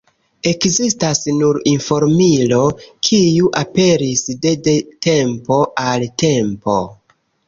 Ekzistas nur informilo, kiu aperis de de tempo al tempo.